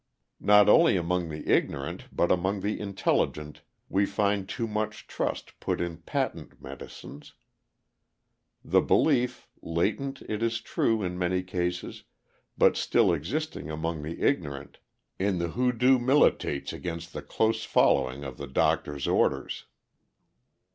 Not only among the ignorant but among the intelligent we find too much trust put in patent medicines; the belief, latent it is true in many cases, but still existing among the ignorant, in the hoodoo militates against the close following of the doctor's orders.